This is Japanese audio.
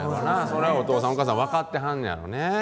それはお父さんお母さん分かってはんねやろね。